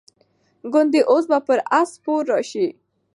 ګوندي اوس به پر آس سپور راشي.